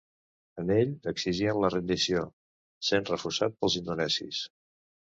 En ell exigien la rendició, sent refusat pels indonesis.